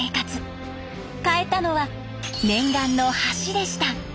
変えたのは念願の橋でした。